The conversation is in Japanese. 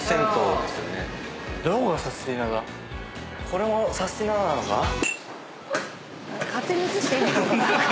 これもサスティななのか？